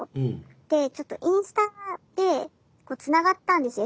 でちょっとインスタでこうつながったんですよＳＮＳで。